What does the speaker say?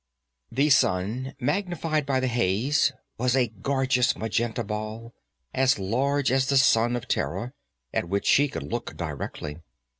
The sun, magnified by the haze, was a gorgeous magenta ball, as large as the sun of Terra, at which she could look directly.